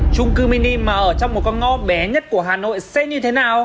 trung cư mini mà ở trong một con ngõ bé nhất của hà nội xe như thế nào